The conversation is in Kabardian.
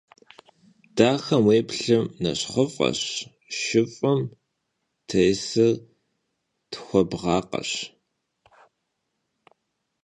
Daxem yêplhır neşxhıf'eş, şşıf'ım têsır txuebğakheş.